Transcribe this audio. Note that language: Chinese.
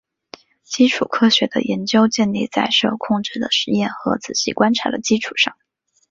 基础科学的研究建立在受控制的实验和仔细观察的基础上。